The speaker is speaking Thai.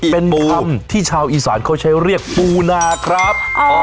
เป็นคำที่ชาวอีสานเขาใช้เรียกปูนาครับ